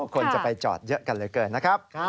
คนจะไปจอดเยอะกันเหลือเกินนะครับ